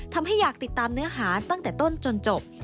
อยากติดตามเนื้อหาตั้งแต่ต้นจนจบ